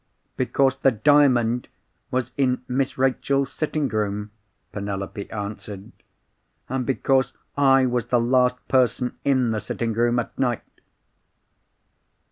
"'Because the Diamond was in Miss Rachel's sitting room," Penelope answered. "And because I was the last person in the sitting room at night!"